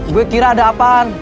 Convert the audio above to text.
gue kira ada apaan